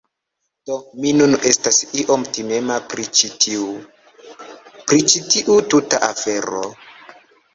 Do, mi nun estas iom timema pri ĉi tiu... pri ĉi tiu tuta afero.